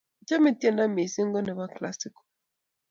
Ochome tiendo missing ko nebo classical